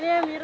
ini yang biru